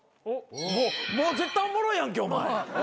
もう絶対おもろいやんけお前。